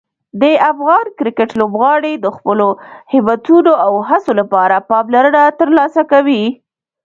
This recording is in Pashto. د افغان کرکټ لوبغاړي د خپلو همتونو او هڅو لپاره پاملرنه ترلاسه کوي.